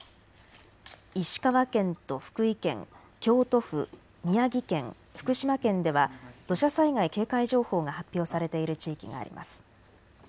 石川県と福井県、京都府、宮城県、福島県では土砂災害警戒情報が発表されている地域があります。